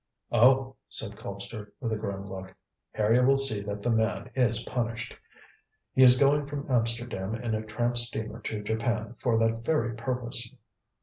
"Oh!" said Colpster, with a grim look, "Harry will see that the man is punished. He is going from Amsterdam in a tramp steamer to Japan for that very purpose."